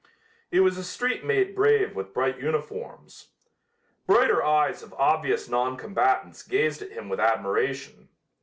It was a street made brave with bright uniforms. Brighter eyes of obvious non combatants gazed at him with admiration.